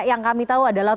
yang kami tahu adalah